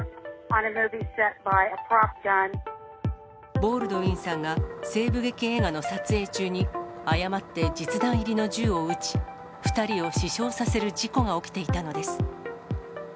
ボールドウィンさんが西部劇映画の撮影中に誤って実弾入りの銃を撃ち、２人を死傷させる事故が起きていたのです。